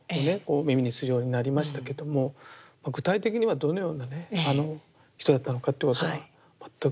耳にするようになりましたけども具体的にはどのような人だったのかっていうことは全く存じ上げてないですね。